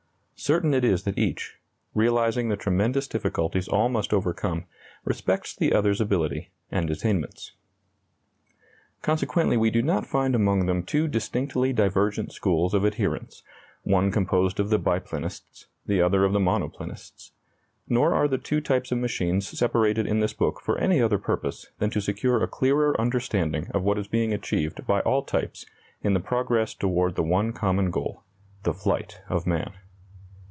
Certain it is that each, realizing the tremendous difficulties all must overcome, respects the others' ability and attainments. Consequently we do not find among them two distinctly divergent schools of adherents, one composed of the biplanists, the other of the monoplanists. Nor are the two types of machines separated in this book for any other purpose than to secure a clearer understanding of what is being achieved by all types in the progress toward the one common goal the flight of man.